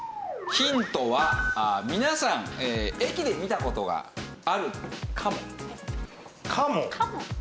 ヒントは皆さん駅で見た事があるかも。かも？